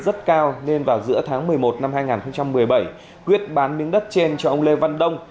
rất cao nên vào giữa tháng một mươi một năm hai nghìn một mươi bảy quyết bán miếng đất trên cho ông lê văn đông